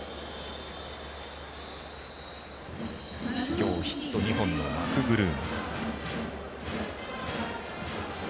今日ヒット２本のマクブルーム。